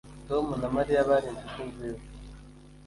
Tom na Mariya bari inshuti nziza